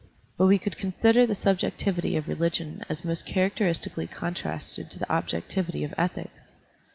But we could consider the subjectivity of religion as most characteristically contrasted to the objectivity of ethics.